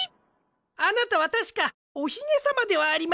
あなたはたしかおひげさまではありませんか！